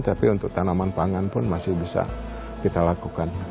tapi untuk tanaman pangan pun masih bisa kita lakukan